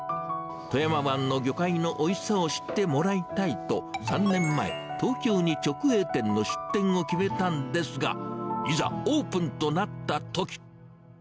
富山湾の魚介のおいしさを知ってもらいたいと、３年前、東京に直営店の出店を決めたんですが、いざオープンとなったとき。